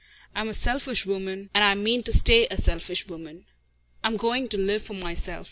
I'm a selfish woman, and I mean to stay a selfish woman. I am going to live for myself.